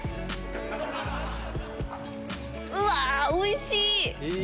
うわおいしい！